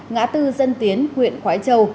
ngã tư dân tiến huyện quái châu